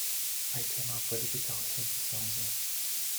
I came up with a guitar synthesiser.